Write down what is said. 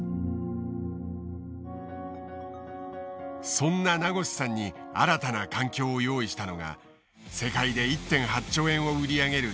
そんな名越さんに新たな環境を用意したのが世界で１．８兆円を売り上げる